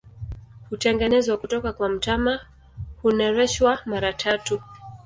Hutengenezwa kutoka kwa mtama, hunereshwa mara tatu.